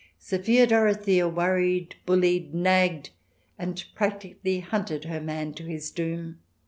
Sophia Dorothea worried, bullied, nagged, and practically hunted her man to his doom.